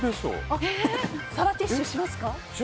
皿ティッシュしますか。